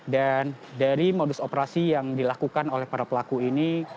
dan dari modus operasi yang dilakukan oleh para pelaku ini